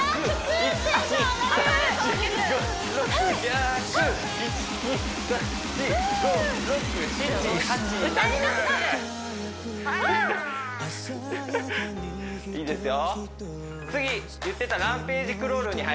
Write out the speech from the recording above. １いいですよ